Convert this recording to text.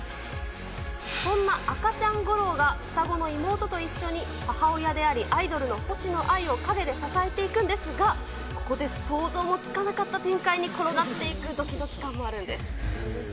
そんな赤ちゃんゴローが双子の妹と一緒に、母親でありアイドルの星野アイを陰で支えていくんですが、ここで想像もつかなかった展開に転がっていくどきどき感もあるんです。